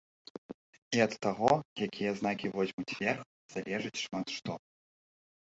І ад таго, якія знакі возьмуць верх, залежыць шмат што.